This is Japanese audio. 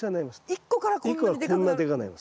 一個からこんなにでかくなる？